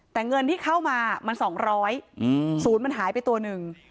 แต่เงินที่เข้ามามัน๒๐๐ศูนย์มันหายไปตัวหนึ่ง